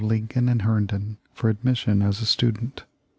Lincoln and Herndon for admission as a student.